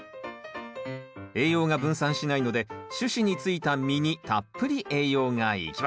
栄養が分散しないので主枝についた実にたっぷり栄養が行き渡ります